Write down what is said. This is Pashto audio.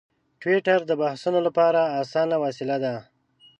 ټویټر د بحثونو لپاره اسانه وسیله ده.